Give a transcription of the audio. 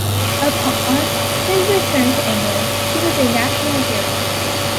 Upon his return to England, he was a national hero.